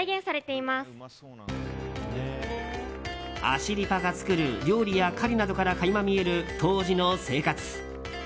アシリパが作る料理や狩りなどから垣間見える当時の生活。